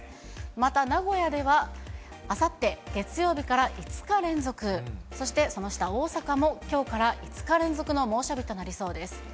また、名古屋ではあさって月曜日から５日連続、そしてその下、大阪もきょうから５日連続の猛暑日となりそうです。